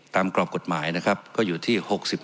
กรอบกฎหมายนะครับก็อยู่ที่๖๔